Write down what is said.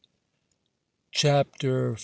CHAPTER V.